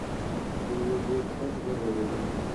ده یو ډېر پټ غږ اورېدلی و.